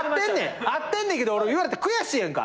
合ってんねんけど言われたら俺悔しいやんか。